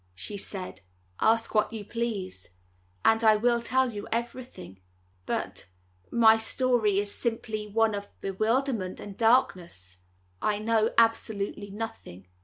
she said. "Ask what you please, and I will tell you everything. But my story is simply one of bewilderment and darkness. I know absolutely nothing.